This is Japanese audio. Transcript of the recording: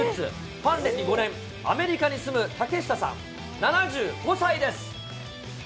ファン歴５年、アメリカに住む竹下さん７５歳です。